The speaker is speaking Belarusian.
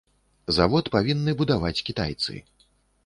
Завод павінны будаваць кітайцы.